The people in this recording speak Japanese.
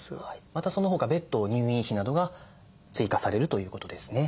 またそのほか別途入院費などが追加されるということですね。